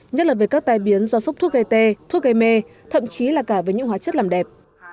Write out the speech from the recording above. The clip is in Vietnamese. nhất là về các tai biến do sốc thuốc gây tê thuốc gây mê thậm chí là cả về những hóa chất làm đẹp